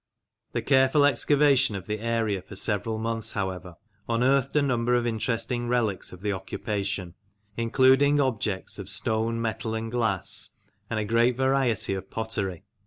The careful excavation of the area for several months, however, unearthed a number of interesting relics of the occupation, including objects of stone, metal, and glass, and a great variety of pottery.